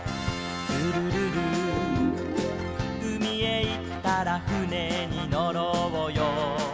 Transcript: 「ルルルル」「うみへいったらふねにのろうよ」